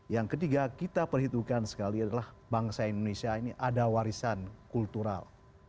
yang ketiga kita perhitungkan sekali adalah bangsa indonesia ini ada warisan kultural